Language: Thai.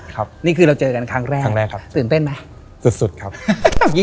ที่นี่คือจะกันครั้งแรกตื่นเต้นไหม